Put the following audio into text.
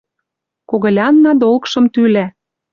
Когылянна «долгшым» тӱлӓ.